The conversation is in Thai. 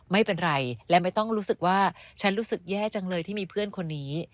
ไม่เป็นไรและไม่ต้องรู้สึกว่าฉันรู้สึกแย่จังเลยที่มีเพื่อนคนนี้